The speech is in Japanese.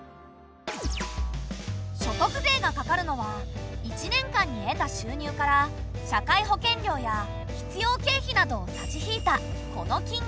所得税がかかるのは１年間に得た収入から社会保険料や必要経費などを差し引いたこの金額。